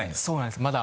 そうなんです